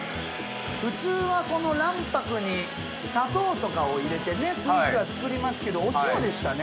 普通はこの卵白に砂糖とかを入れてスイーツは作りますけどお塩でしたね。